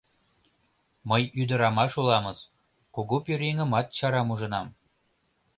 Мый ӱдырамаш уламыс, кугу пӧръеҥымат чарам ужынам.